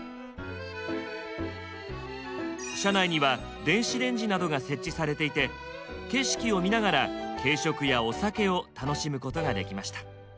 車内には電子レンジなどが設置されていて景色を見ながら軽食やお酒を楽しむことができました。